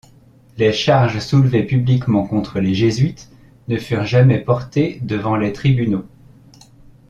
Les charges soulevées publiquement contre les Jésuites ne furent jamais portées devant les tribunaux.